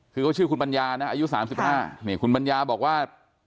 คือเขาชื่อคุณปัญญานะอายุ๓๕นี่คุณปัญญาบอกว่า